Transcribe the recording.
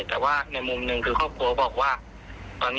แต่ว่าในมุมหนึ่งคือครอบครัวบอกว่าตอนนี้